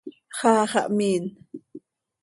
¡Xaa xah mhiin!